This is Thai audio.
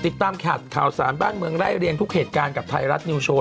ติดตามข่าวสารบ้านเมืองไล่เรียงทุกเหตุการณ์กับไทยรัฐนิวโชว